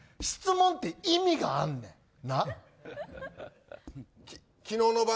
質問って意味があんねん。